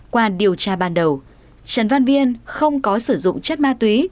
qua điều tra ban đầu trần văn viên không có sử dụng chất ma túy